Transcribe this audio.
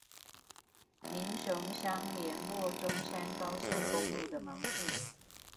民雄鄉聯絡中山高速公路的門戶